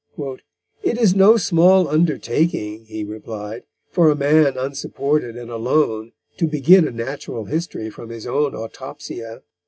"It is no small undertaking," he replied, "for a man unsupported and alone to begin a natural history from his own autopsia."